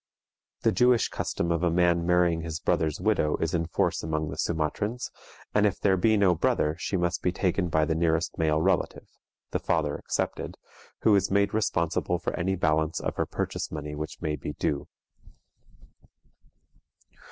The Jewish custom of a man marrying his brother's widow is in force among the Sumatrans, and if there be no brother, she must be taken by the nearest male relative, the father excepted, who is made responsible for any balance of her purchase money which may be due.